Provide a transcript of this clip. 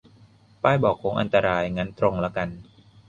ป้ายบอกโค้งอันตราย งั้นตรงละกัน